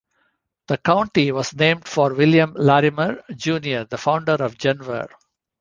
The county was named for William Larimer, Junior the founder of Denver.